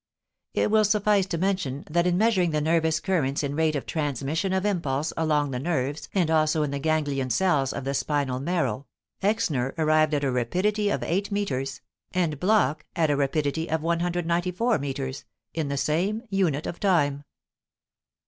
It will suffice to mention that in measuring the nervous currents in rate of transmission of impulse along the nerves and also in the ganglion cells of the spinal marrow, Exner arrived at a rapidity of eight meters, and Bloch at a rapidity of 194 meters, in the same unit of time.